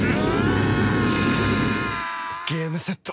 ゲームセット。